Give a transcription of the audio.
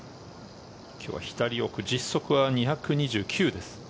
今日は左奥実測は２２９です。